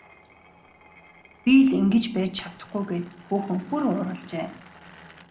Би л ингэж байж чадахгүй гээд хүүхэн бүр уурлажээ.